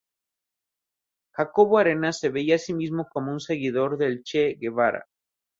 Jacobo Arenas se veía a sí mismo como un seguidor del Che Guevara.